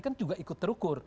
kan juga ikut terukur